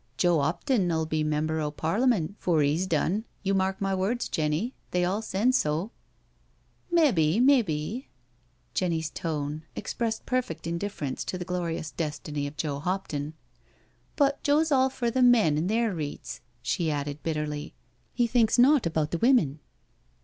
" Joe 'Opton uU be Member o* Parliamen' foor 'e's done— you mark my words, Jenny— they all sen so "*• Maybe, maybe/* Jenny's tone expressed perfect indifference to the glorious destiny of Joe Hopton. " But Joe's all for the men an' their reets," she added bitterly; "he thinks nought about the women."